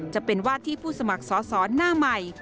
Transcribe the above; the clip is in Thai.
จะเป็นวาดที่ผู้สมัครสอสอหน้าใหม่